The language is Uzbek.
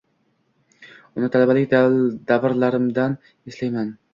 Uni talabalik davrlarimdan eslayman